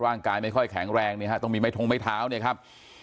ร่างกายไม่ค่อยแข็งแรงเนี่ยฮะต้องมีไม้ทงไม้เท้าเนี่ยครับ